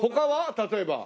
例えば。